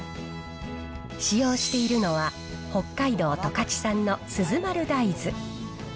使用しているのは、北海道十勝産のスズマル大豆。